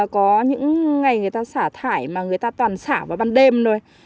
có những ngày người ta xả thải mà người ta toàn xả vào ban đêm thôi